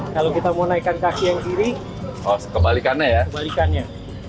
kalau kita mau naikkan kaki yang kiri kebalikannya